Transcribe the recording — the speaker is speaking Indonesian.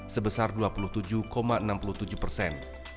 sebesar dua puluh tujuh enam puluh tujuh persen